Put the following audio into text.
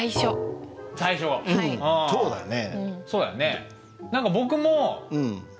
そうだね。